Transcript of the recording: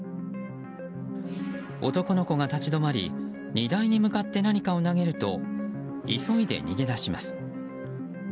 男の子が立ち止まり荷台に向かって何かを投げると急いで逃げ出します。